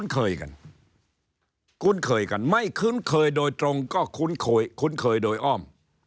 คุ้นเคยกันไม่คุ้นเคยโดยตรงก็คุ้นเคยโดยอ้อม